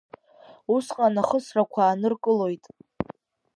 Усҟан ахысрақәа ааныркылоит.